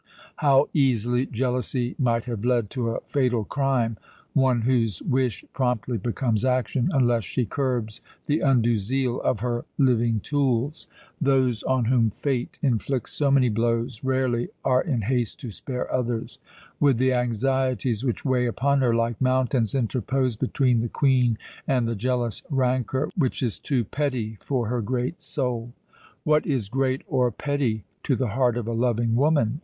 How easily jealousy might have led to a fatal crime one whose wish promptly becomes action, unless she curbs the undue zeal of her living tools! Those on whom Fate inflicts so many blows rarely are in haste to spare others. Would the anxieties which weigh upon her like mountains interpose between the Queen and the jealous rancour which is too petty for her great soul?" "What is great or petty to the heart of a loving woman?"